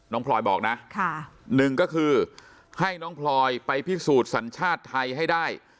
พลอยบอกนะหนึ่งก็คือให้น้องพลอยไปพิสูจน์สัญชาติไทยให้ได้